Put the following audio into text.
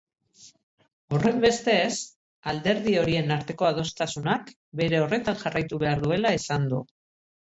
Horrenbestez, alderdi horien arteko adostasunak bere horretan jarraitu behar duela esan du.